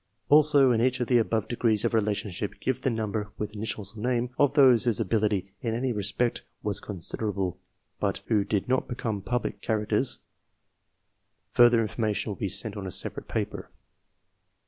Also, in each of the above degrees of relationship, give the number (with initials or names) of those whose ability in any respect was considerable, but who did not become public characters (fuller information to be sent on a separate paper).